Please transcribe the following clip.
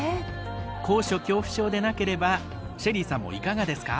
高所恐怖症でなければＳＨＥＬＬＹさんもいかがですか？